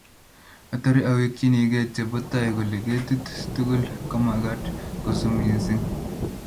Atare awekchinikei che kobo tai kole ketik tugul komagat kosub missing